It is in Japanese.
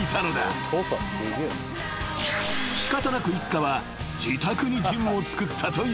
［仕方なく一家は自宅にジムを造ったという］